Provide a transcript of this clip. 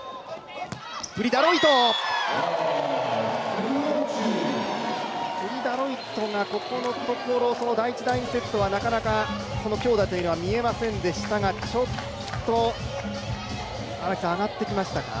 プリ・ダロイトがここのところ、第１、第２セットはなかなか強打が見えませんでしたがちょっと上がってきましたか？